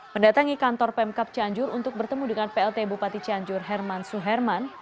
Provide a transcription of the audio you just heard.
mendatangi kantor pemkap cianjur untuk bertemu dengan plt bupati cianjur herman suherman